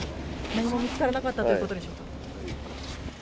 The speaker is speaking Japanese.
何も見つからなかったということでしょうか？